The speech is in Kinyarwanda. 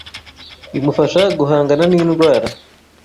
bimufasha guhangana n’indwara